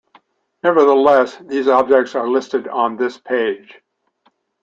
Nevertheless, these objects are listed on this page.